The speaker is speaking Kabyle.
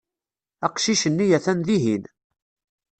Aqcic-nni atan dihin.